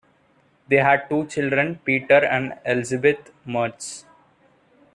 They had two children, Peter and Elizabeth Mertz.